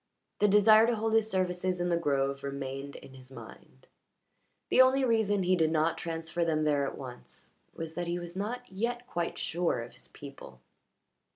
The desire to hold his services in the grove remained in his mind; the only reason he did not transfer them there at once was that he was not yet quite sure of his people.